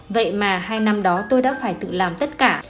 vậy mà hai năm đó tôi đã phải tự làm tất cả